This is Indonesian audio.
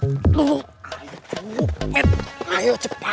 aduh kemet ayo cepat